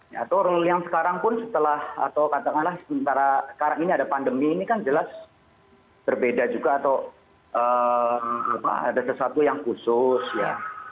ya atau rule yang sekarang pun setelah atau katakanlah sementara sekarang ini ada pandemi ini kan jelas berbeda juga atau ada sesuatu yang khusus ya